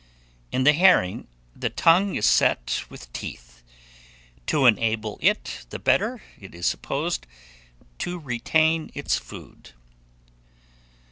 In the herring, the tongue is set with teeth, to enable it the better, it is supposed, to retain its food.